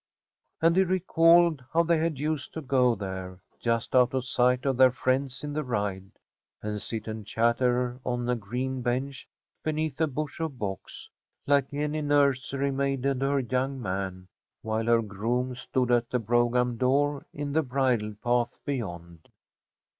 And he recalled how they had used to go there, just out of sight of their friends in the ride, and sit and chatter on a green bench beneath a bush of box, like any nursery maid and her young man, while her groom stood at the brougham door in the bridle path beyond.